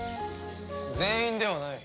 全員ではない。